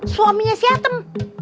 suaminya si atem